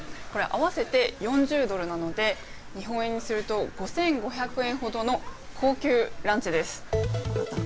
合わせて４０ドルなので日本円にすると５５００円ほどの高級ランチです。